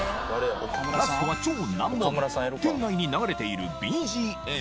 ラストは超難問店内に流れているＢＧＭ